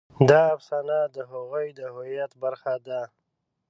دا افسانه د هغوی د هویت برخه ده.